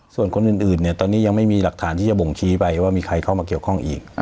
ส่วนคนอื่นเนี่ยตอนนี้ยังไม่มีหลักฐานที่จะบ่งชี้ไปว่ามีใครเข้ามาเกี่ยวข้องอีก